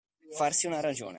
Farsi una ragione.